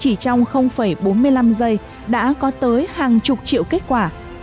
chỉ trong bốn mươi năm giây đã có tới hàng chục triệu kết quả